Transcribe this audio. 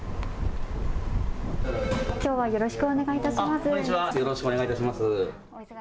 きょうはよろしくお願いいたします。